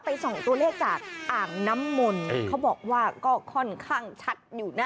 ส่องตัวเลขจากอ่างน้ำมนต์เขาบอกว่าก็ค่อนข้างชัดอยู่นะ